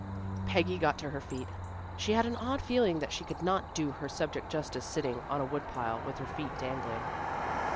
Peggy got to her feet. She had an odd feeling that she could not do her subject justice sitting on a woodpile, with her feet dangling.